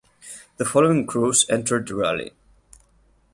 The following crews entered the rally.